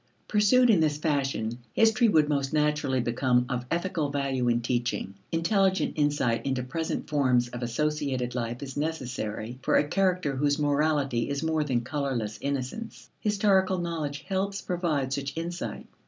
Pursued in this fashion, history would most naturally become of ethical value in teaching. Intelligent insight into present forms of associated life is necessary for a character whose morality is more than colorless innocence. Historical knowledge helps provide such insight.